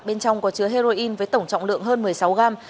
bên trong có chứa heroin với tổng trọng lượng hơn một mươi sáu gram